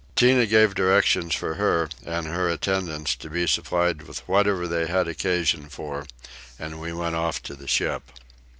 Tinah gave directions for her and her attendants to be supplied with whatever they had occasion for, and we went off to the ship.